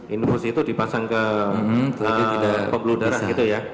infus itu dipasang ke pemblutera gitu ya